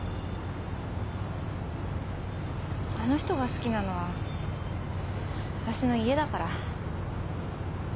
あの人が好きなのはわたしの家だから。